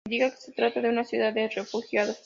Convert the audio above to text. Indica que se trataba de una ciudad de refugiados.